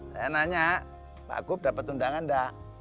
saya nanya pak gup dapat undangan enggak